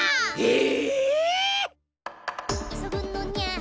え！？